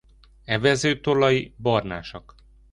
Evezőtollai barnásak.